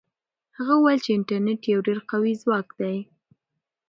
هغه وویل چې انټرنيټ یو ډېر قوي ځواک دی.